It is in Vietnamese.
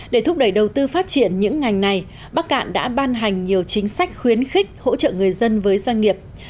để thúc đẩy đầu tư phát triển những ngành này bắc cạn đã ban hành nhiều chính sách khuyến khích hỗ trợ người dân với doanh nghiệp